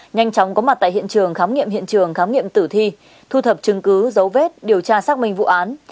nhanh chóng có mặt tại hiện trường khám nghiệm hiện trường khám nghiệm tử thi thu thập chứng cứ dấu vết điều tra xác minh vụ án